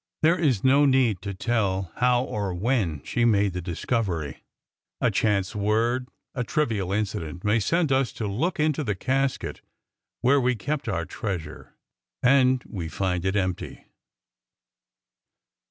There is no need to tell how or when she made the discovery. A chance word, a trivial incident, may send us to look into the casket where we kept our treasure, and we find it empty.